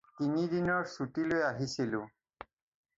তিন দিনৰ ছুটী লৈ আহিছিলোঁ।